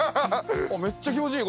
めっちゃ気持ちいい！